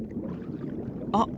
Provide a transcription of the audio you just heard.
あっ！